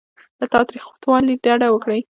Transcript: له تاوتریخوالي ډډه وکړئ.